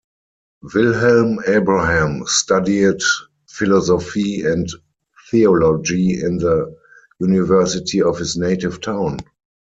Wilhelm Abraham studied philosophy and theology in the university of his native town.